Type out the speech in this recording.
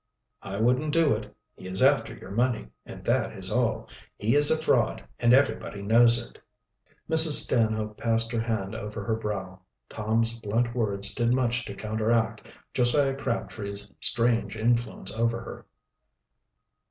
"I wouldn't do it. He is after your money, and that is all. He is a fraud, and everybody knows it." Mrs. Stanhope passed her hand over her brow. Tom's blunt words did much to counteract Josiah Crabtree's strange influence over her.